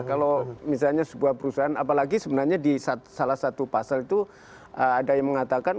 kalau misalnya sebuah perusahaan apalagi sebenarnya di salah satu pasal itu ada yang mengatakan